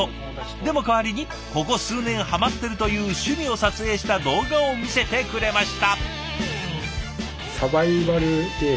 でも代わりにここ数年ハマってるという趣味を撮影した動画を見せてくれました。